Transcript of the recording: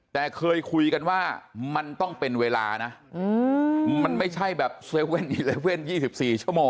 แต่เคยคุยกันว่ามันต้องเป็นเวลานะมันไม่ใช่แบบ๗๑๑๒๔ชั่วโมง